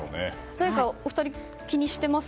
お二人、気にしています？